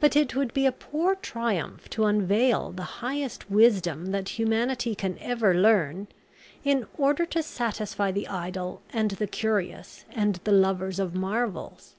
But it would be a poor triumph to unveil the highest wisdom that humanity can ever learn, in order to satisfy the idle and the curious, and the lovers of marvels.